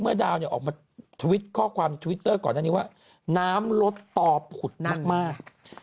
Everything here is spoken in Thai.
ดาวเนี่ยออกมาทวิตข้อความทวิตเตอร์ก่อนอันนี้ว่าน้ำลดต่อผุดมาก